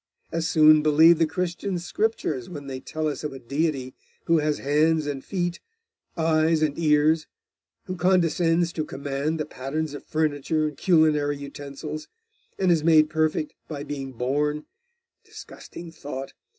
As soon believe the Christian scriptures, when they tell us of a deity who has hands and feet, eyes and ears, who condescends to command the patterns of furniture and culinary utensils, and is made perfect by being born disgusting thought!